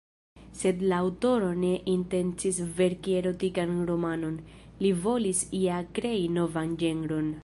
Sed la aŭtoro ne intencis verki erotikan romanon, li volis ja krei novan ĝenron.